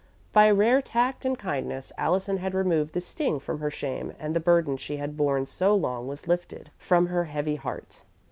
By rare tact and kindness, Allison had removed the sting from her shame and the burden she had borne so long was lifted from her heavy heart.